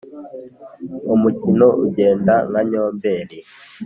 umukiro ugenda nka nyomberi